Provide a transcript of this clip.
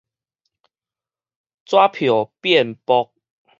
紙票變薄